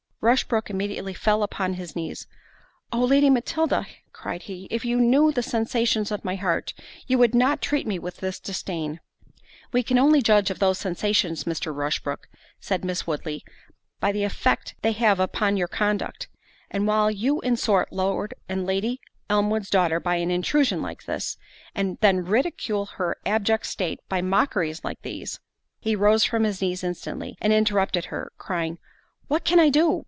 Rushbrook immediately fell upon his knees—"Oh! Lady Matilda," cried he, "if you knew the sensations of my heart, you would not treat me with this disdain." "We can only judge of those sensations, Mr. Rushbrook," said Miss Woodley, "by the effect they have upon your conduct; and while you insult Lord and Lady Elmwood's daughter by an intrusion like this, and then ridicule her abject state by mockeries like these——" He rose from his knees instantly, and interrupted her, crying, "What can I do?